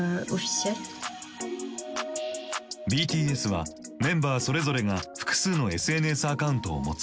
ＢＴＳはメンバーそれぞれが複数のＳＮＳアカウントを持つ。